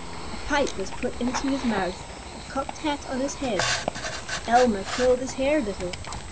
A pipe was put into his mouth, a cocked hat on his head. Elma curled his hair a little.